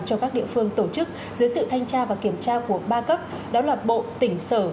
cho các địa phương tổ chức dưới sự thanh tra và kiểm tra của ba cấp đó là bộ tỉnh sở